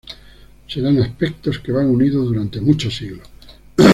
Serán aspectos que van unidos durante muchos siglos.